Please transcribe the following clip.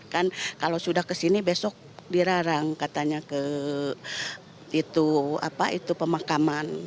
kan kalau sudah ke sini besok dirarang katanya ke itu apa itu pemakaman